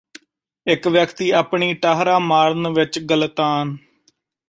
ਇਕ ਵਿਅਕਤੀ ਆਪਣੀ ਟਾਹਰਾਂ ਮਾਰਨ ਵਿਚ ਗਲਤਾਨ